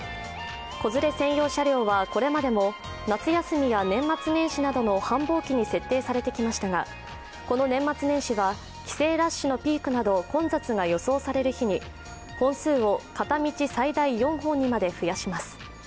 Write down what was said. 子連れ専用車両は、これまでも夏休みや年末年始などの繁忙期に設定されてきましたがこの年末年始は帰省ラッシュのピークなど混雑が予想される日に本数を片道最大４本にまで増やします。